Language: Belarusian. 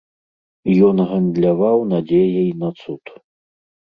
Ён гандляваў надзеяй на цуд.